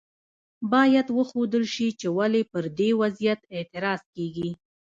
باید وښودل شي چې ولې پر دې وضعیت اعتراض کیږي.